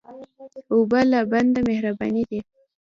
اوبه له بنده مهربانې دي.